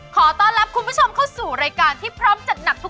ขอต้อนรับคุณผู้ชมเข้าสู่รายการที่พร้อมจัดหนักทุก